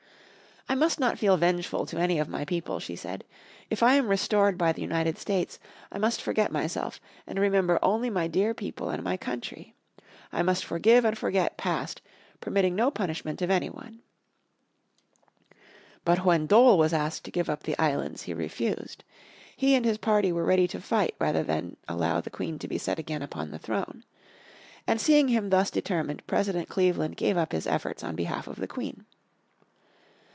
"I must not feel vengeful to any of my people," she said. "If I am restored by the United States, I must forget myself, and remember only my dear people and my country. I must forgive and forget the past, permitting no punishment of any one." But when Dole was asked to give up the islands he refused. He and his party were ready to fight rather than allow the Queen to be set again upon the throne. And seeing him thus determined President Cleveland gave up his efforts on behalf of the Queen.